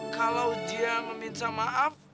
kalau dia meminta maaf